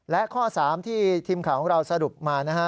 และข้อ๓ที่ทีมข่าวของเราสรุปมานะฮะ